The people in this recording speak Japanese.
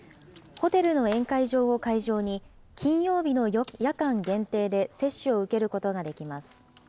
ホテルの宴会場を会場に、金曜日の夜間限定で接種を受けることができます。